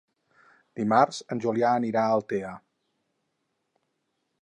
Dimarts en Julià anirà a Altea.